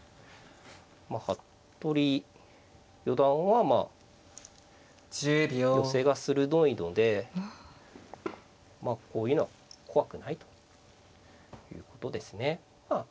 まあ服部四段は寄せが鋭いのでまあこういうのは怖くないということですね。